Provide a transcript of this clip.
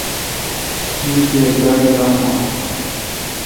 مہ تی کیر گاڑی داوام اؘ۔